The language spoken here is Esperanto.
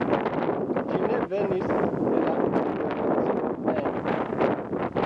Ĝi ne venis de la federacio mem